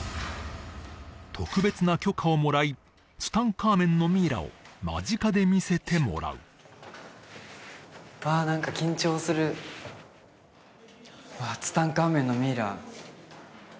特別な許可をもらいツタンカーメンのミイラを間近で見せてもらうわあ何か緊張するわあツタンカーメンのミイラ